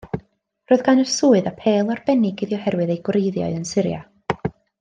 Roedd gan y swydd apêl arbennig iddi oherwydd ei gwreiddiau yn Syria.